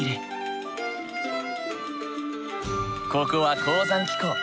ここは高山気候。